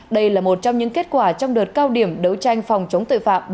đây là một trong những kết quả trong đợt cao điểm đấu tranh phòng chống tội phạm